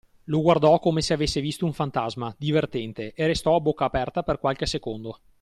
Lo guardò come se avesse visto un fantasma, divertente, e restò a bocca aperta per qualche secondo.